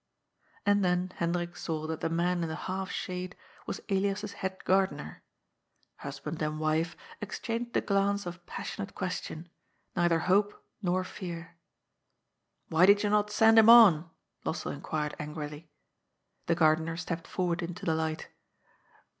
And then Hendrik saw that the man in the half shade was Elias's head gardener. Husband and wife exchanged a glance of passionate question — neither hope nor fear. —^^ Why did you not send him on ?" Lossell inquired angrily. The gardener stepped forward into the light.